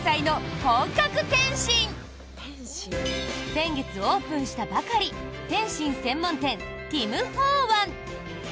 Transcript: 先月オープンしたばかり点心専門店ティム・ホー・ワン。